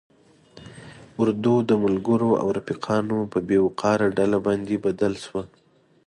اردو د ملګرو او رفیقانو په بې وقاره ډله باندې بدل شوه.